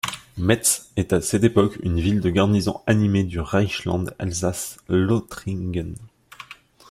Metz, est à cette époque une ville de garnison animée du Reichsland Elsaß-Lothringen.